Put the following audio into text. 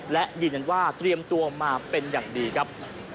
และยืนยันว่าเตรียมตัวมาเป็นอย่างดีครับ